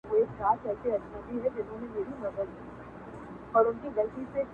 او نورو په درجه ورته قایل دي -